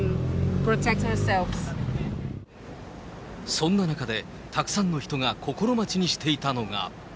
そんな中で、たくさんの人が心待ちにしていたのが。